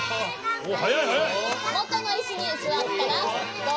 おっ！